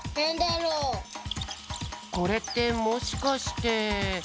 これってもしかして。